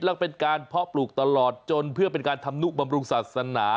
และเป็นการเพาะปลูกตลอดจนเพื่อเป็นการทำนุบำรุงศาสนา